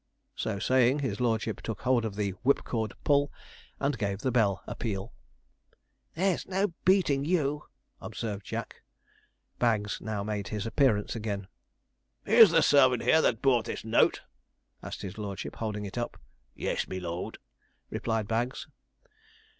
So saying, his lordship took hold of the whipcord pull and gave the bell a peal. 'There's no beating you,' observed Jack. Bags now made his appearance again. 'Is the servant here that brought this note?' asked his lordship, holding it up. 'Yes, me lord,' replied Bags.